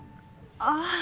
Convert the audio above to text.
ああ。